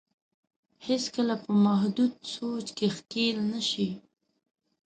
هېڅ کله په محدود سوچ کې ښکېل نه شي.